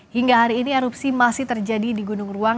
hingga hari ini erupsi masih terjadi di gunung ruang